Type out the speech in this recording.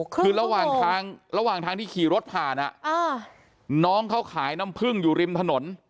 คือระหว่างทางระหว่างทางที่ขี่รถผ่านน้องเขาขายน้ำพึ่งอยู่ริมถนน